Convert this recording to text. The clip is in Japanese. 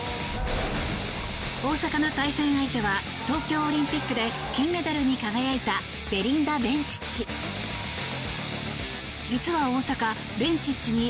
大坂の対戦相手は東京オリンピックで金メダルに輝いたベリンダ・ベンチッチ。